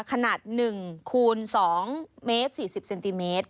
ขนาด๑คูณ๒เมตร๔๐เซนติเมตร